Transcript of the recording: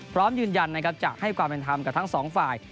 พร้อมยืนยันนะครับจะให้ความเป็นธรรมกับทั้งสองฝ่าย